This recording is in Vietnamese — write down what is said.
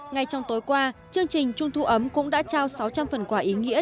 ngay trong tối qua chương trình trung thu ấm cũng đã trao sáu trăm linh phần quả ý nghĩa